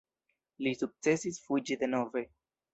Li sukcesis fuĝi denove.